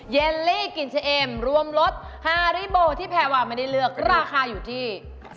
เยลลี่กินเช็มรวมรสฮาริโบที่แพรวาไม่ได้เลือกราคาอยู่ที่